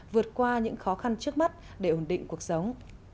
vượt qua những khó khăn trước mắt để ổn định cuộc sống